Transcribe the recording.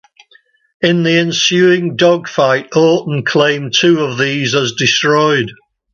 In the ensuing dogfight Orton claimed two of these as destroyed.